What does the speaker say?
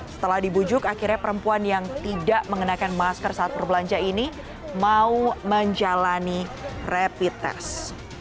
setelah dibujuk akhirnya perempuan yang tidak mengenakan masker saat berbelanja ini mau menjalani rapid test